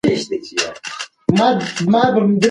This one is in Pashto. میرویس خان د پښتنو د یووالي سمبول و.